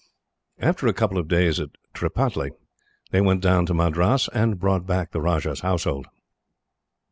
After a couple of days at Tripataly, they went down to Madras, and brought back the Rajah's household.